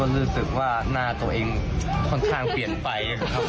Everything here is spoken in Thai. รู้สึกว่าหน้าตัวเองค่อนข้างเปลี่ยนไปครับ